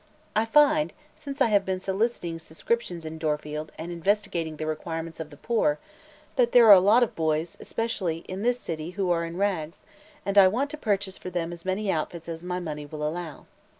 I find, since I have been soliciting subscriptions in Dorfield and investigating the requirements of the poor, that there are a lot of boys, especially, in this city who are in rags, and I want to purchase for them as many outfits as my money will allow.